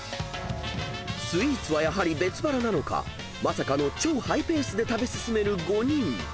［スイーツはやはり別腹なのかまさかの超ハイペースで食べ進める５人］